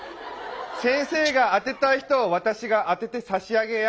先生が当てたい人を私が当ててさしあげやす。